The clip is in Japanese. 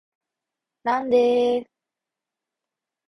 なんでーーー